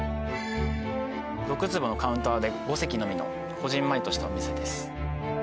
６坪のカウンターで５席のみのこぢんまりとしたお店です